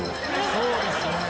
「そうですね。